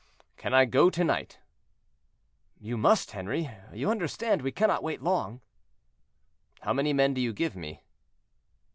"Can I go to night?" "You must, Henri; you understand we cannot wait long." "How many men do you give me?"